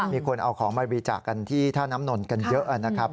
มีคนเอาของมาบริจาคกันที่ท่าน้ำนนกันเยอะนะครับ